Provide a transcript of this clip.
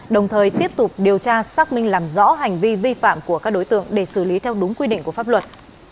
đồng thời tiếp tục điều tra xác minh làm rõ hành vi vi phạm của các đối tượng để xử lý theo đúng quy định của pháp luật